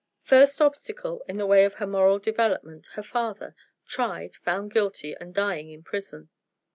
"First obstacle in the way of her moral development, her father tried, found guilty, and dying in prison.